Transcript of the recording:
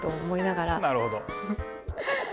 なるほど。